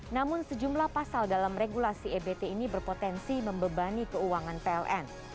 namun sejumlah pasal dalam regulasi ebt ini berpotensi membebani keuangan pln